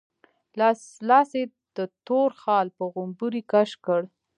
لاس يې د تور خال په غومبري کش کړ.